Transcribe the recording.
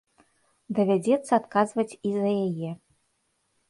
Давядзецца адказваць і за яе.